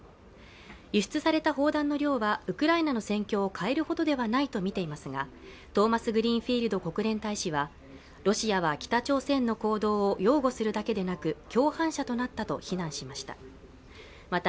輸出された砲弾の量はウクライナの戦況を変えるほどではないとみていますが、トーマスグリーンフィールド国連大使は、ロシアは北朝鮮の行動を擁護するだけでなく共犯者となったと非難しました。